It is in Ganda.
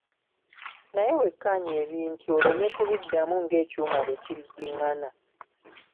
Naye wekkaanye ebintu oleme kubiddamu ng'ekyuma bwe kibiddingana.